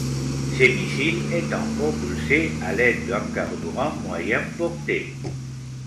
Ces missiles étaient propulsés à l'aide d'un carburant moyenne-portée.